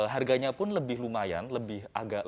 harganya pun lebih lumayan lebih agak